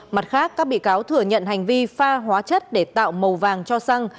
mặt khác các bị cáo thừa nhận hành vi pha hóa chất để tạo màu vàng cho xăng